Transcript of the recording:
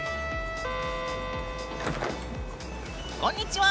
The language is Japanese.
こんにちは。